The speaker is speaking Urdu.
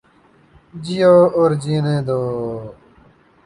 جیو اور جینے دو